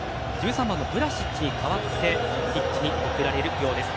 １３番、ヴラシッチに代わってピッチに送られるようです。